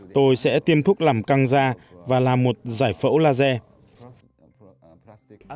tôi sẽ tiêm thuốc làm căng da và làm một giải phẫu laser